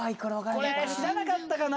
これ知らなかったかな？